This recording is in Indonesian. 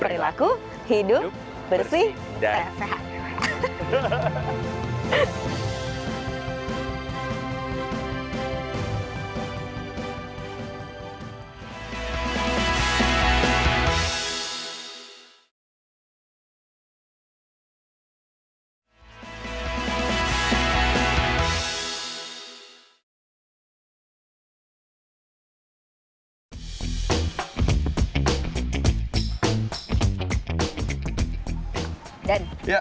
berlaku hidup bersih dan sehat